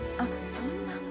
そんな。